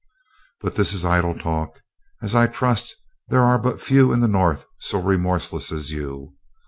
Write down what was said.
But this is idle talk, as I trust there are but few in the North so remorseless as you.